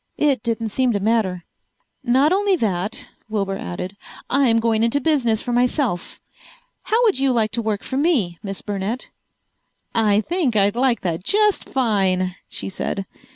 It didn't seem to matter. "Not only that," Wilbur added. "I'm going into business for myself. How would you like to work for me, Miss Burnett?" "I think I'd like that just fine," she said.